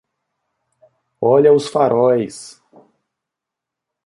Olha os faróis!